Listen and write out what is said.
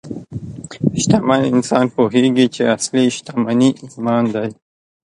شتمن انسان پوهېږي چې اصلي شتمني ایمان دی.